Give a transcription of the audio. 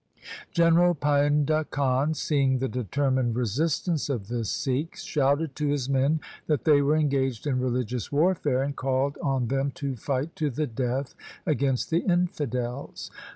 General Painda Khan, seeing the determined resistance of the Sikhs, shouted to his men that they were engaged in religious warfare, and called on them to fight to the death against the infidels.